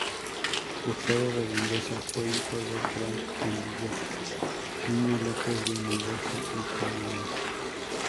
Hurtado de Mendoza fue hijo del "Gran Tendilla" Íñigo López de Mendoza y Quiñones.